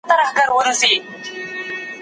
غوره پلان تر ډېرو پيسو ارزښت لري.